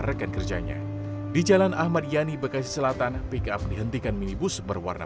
ketika korban membawa barang menuju cikarang dengan pik apel yang berbeda